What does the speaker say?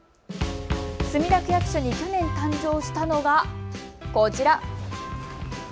墨田区役所に去年誕生したのがこちら。